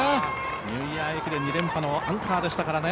ニューイヤー駅伝２連覇のアンカーでしたからね。